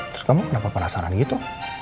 terus kamu kenapa penasaran gitu